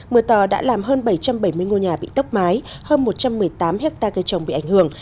mưa to đã làm hơn bảy trăm bảy mươi ngôi nhà bị tốc mái hơn một trăm một mươi tám hectare cây trồng bị ảnh hưởng